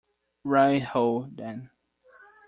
Right ho, then.